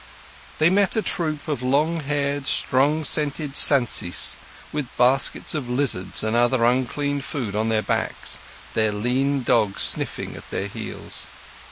They met a troop of long haired, strong scented Sansis with baskets of lizards and other unclean food on their backs, their lean dogs sniffing at their heels.